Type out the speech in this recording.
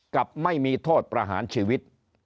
กับไม่มีโทษประหารชีวิต